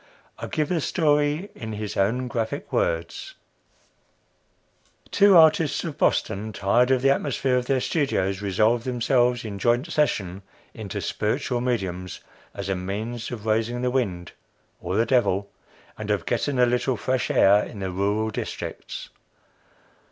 I give the story in his own graphic words: "Two artists of Boston, tired of the atmosphere of their studios, resolved themselves, in joint session, into spiritual mediums, as a means of raising the wind or the devil and of getting a little fresh air in the rural districts.